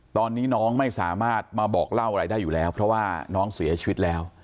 ตอนนี้น้องไม่สามารถมาบอกเล่าอะไรได้อยู่แล้วเพราะว่าน้องเสียชีวิตแล้ว